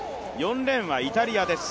４レーンはイタリアです。